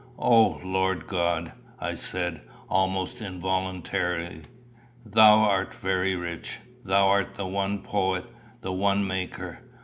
"O Lord God," I said, almost involuntarily, "thou art very rich. Thou art the one poet, the one maker.